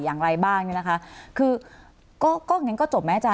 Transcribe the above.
อย่างไรบ้างนี่นะคะคือก็ก็อย่างงี้ก็จบมั้ยอาจารย์